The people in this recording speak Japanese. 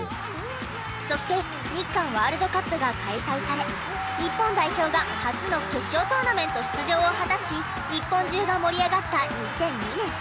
そして日韓ワールドカップが開催され日本代表が初の決勝トーナメント出場を果たし日本中が盛り上がった２００２年。